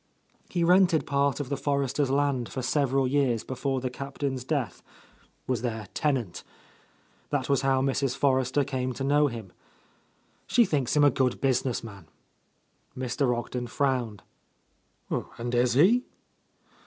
He rented part of the Forresters' land for several years before the Captain's death, — ^was their tenant. That was how Mrs. Forrester came to know him. She thinks him a good business man." Mr. Ogden frowned. "And is he?"